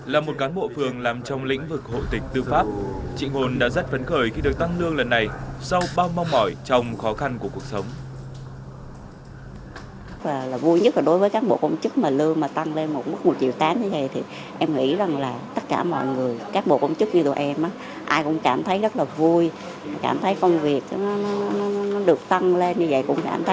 là một cán bộ phường làm trong lĩnh vực hội tịch